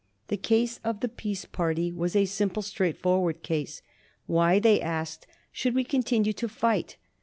The case of the peace party was a simple, straight forward case. Why, they asked, should we continue to fight?